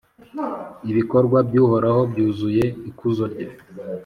ibikorwa by’Uhoraho byuzuye ikuzo rye.